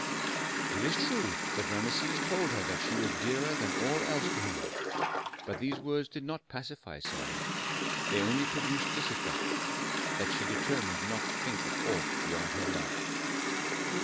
It is true that Rameses told her that she was dearer than all else to him, but these words did not pacify Sarah; they only produced this effect, that she determined not to think of aught beyond her love.